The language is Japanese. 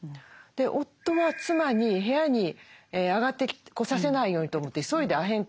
夫は妻に部屋に上がってこさせないようにと思って急いでアヘン